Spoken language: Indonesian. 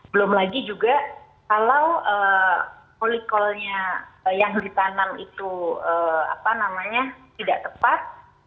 belum lagi juga kalau polikulnya yang ditanam itu apa namanya tidak tepat